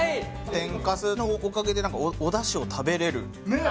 天かすのおかげで何かお出汁を食べれるねっ！